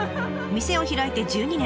店を開いて１２年。